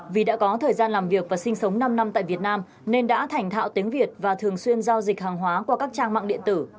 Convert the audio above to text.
vì đã có thời gian làm việc và sinh sống năm năm tại việt nam nên đã thành thạo tiếng việt và thường xuyên giao dịch hàng hóa qua các trang mạng điện tử